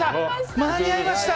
間に合いました。